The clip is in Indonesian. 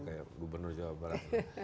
kayak gubernur jawa barat